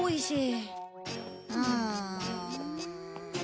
うん。